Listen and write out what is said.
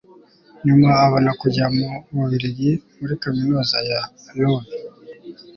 nyuma abona kujya mu bubiligi muri kaminuza ya luve